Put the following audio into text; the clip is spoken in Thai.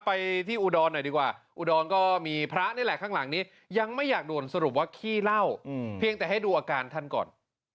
ไปที่อุดรหน่อยดีกว่าอุดรก็มีพระนี่แหละข้างหลังนี้ยังไม่อยากด่วนสรุปว่าขี้เหล้าเพียงแต่ให้ดูอาการท่านก่อน